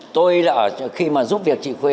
tôi là khi mà giúp việc chị khuê